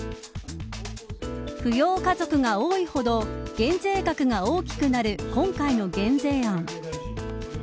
扶養家族が多いほど減税額が大きくなる今回の減税案。